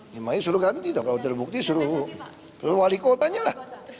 pemain seluruh ganti kalau terbukti seluruh wali kotanya lah